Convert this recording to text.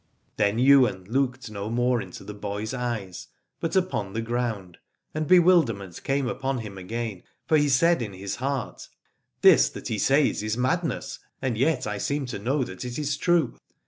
Then Ywain looked no more into the boy's eyes but upon the ground, and bewilderment came upon him again, for he said in his heart : This that he says is madness, and yet I seem to know that it is true.